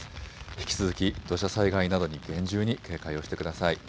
引き続き土砂災害などに厳重に警戒をしてください。